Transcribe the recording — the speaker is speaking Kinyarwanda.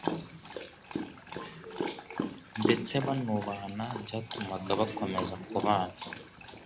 ndetse banubahana byatumaga bakomeza kubana.